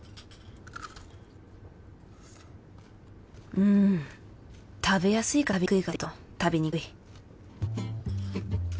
うん食べやすいか食べにくいかで言うと食べにくい